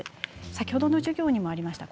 先ほどの授業にもありました